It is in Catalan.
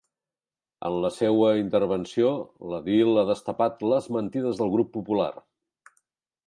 En la seua intervenció, l’edil ha destapat les “mentides” del grup popular.